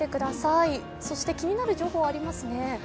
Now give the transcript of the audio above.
そして気になる情報、ありますね。